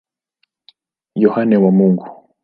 Yohane wa Mungu.